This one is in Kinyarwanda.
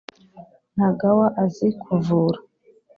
ntagawa azi kuvura